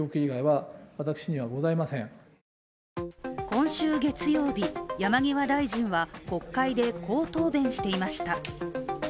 今週月曜日、山際大臣は国会で、こう答弁していました。